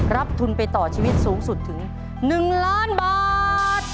รับทุนไปต่อชีวิตสูงสุดถึง๑ล้านบาท